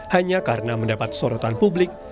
hanya karena mendapat sorotan publik